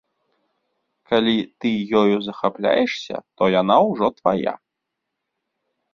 Калі ты ёю захапляешся, то яна ўжо твая.